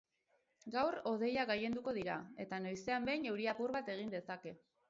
Gaur hodeiak gailenduko dira eta noizean behin euri apur bat egin dezake.